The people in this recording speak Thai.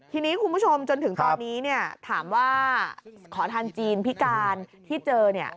ทีนี้คุณผู้ชมจนถึงตอนนี้ถามว่าขอทานจีนพี่การที่เจอ